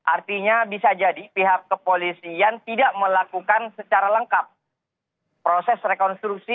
artinya bisa jadi pihak kepolisian tidak melakukan secara lengkap proses rekonstruksi